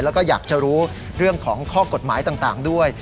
แล้วก็อยากจะรู้เรื่องของข้อกฎหมายต่างด้วย